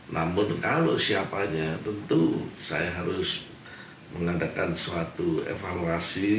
namun kalau siapanya tentu saya harus mengadakan suatu evaluasi